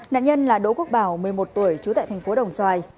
nạn nhân là đỗ quốc bảo một mươi một tuổi trú tại thành phố đồng xoài